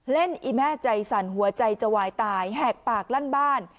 อีแม่ใจสั่นหัวใจจะวายตายแหกปากลั่นบ้าน